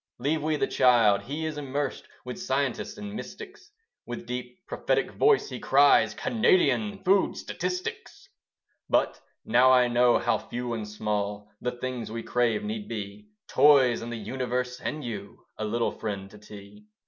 Leave we the child: he is immersed With scientists and mystics: With deep prophetic voice he cries Canadian food statistics. But now I know how few and small, The things we crave need be Toys and the universe and you A little friend to tea.